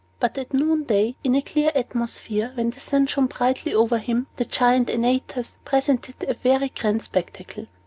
But at noonday in a clear atmosphere, when the sun shone brightly over him, the Giant Antaeus presented a very grand spectacle.